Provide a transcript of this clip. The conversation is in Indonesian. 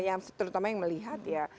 yang terutama yang melihat ya